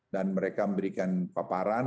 dan mereka memberikan paparan